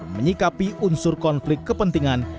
menyikapi unsur konflik kepentingan